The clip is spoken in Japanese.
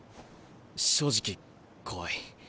正直怖い。